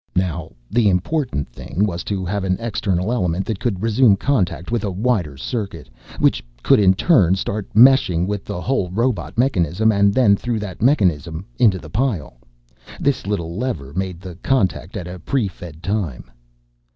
"Now, the important thing was to have an external element that could resume contact with a wider circuit, which could in turn start meshing with the whole robot mechanism and then through that mechanism into the pile. This little lever made the contact at a pre fed time."